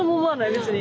別に。